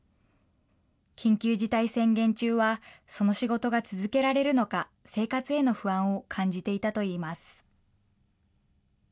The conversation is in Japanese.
緊急事態宣言中は、その仕事が続けられるのか、生活への不安を感じていたといいます。